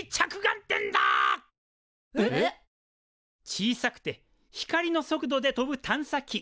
小さくて光の速度で飛ぶ探査機。